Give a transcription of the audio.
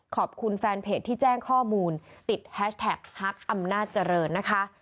ขอบคุณแฟนเพจที่แจ้งข้อมูลติดแฮชแท็กฮักอำนาจเจริญนะคะ